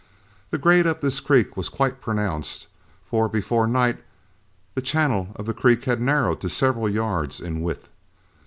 The grade up this creek was quite pronounced, for before night the channel of the creek had narrowed to several yards in width.